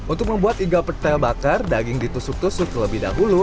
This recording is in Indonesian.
untuk membuat igal petel bakar daging ditusuk tusuk terlebih dahulu